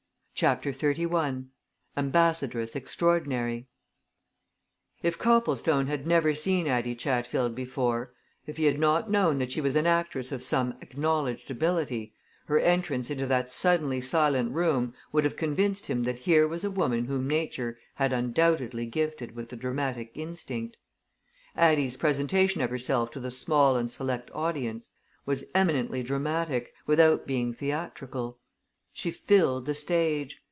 CHAPTER XXXI AMBASSADRESS EXTRAORDINARY If Copplestone had never seen Addie Chatfield before, if he had not known that she was an actress of some acknowledged ability, her entrance into that suddenly silent room would have convinced him that here was a woman whom nature had undoubtedly gifted with the dramatic instinct. Addie's presentation of herself to the small and select audience was eminently dramatic, without being theatrical. She filled the stage.